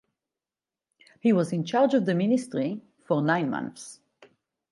He was in charge of the ministry for nine months.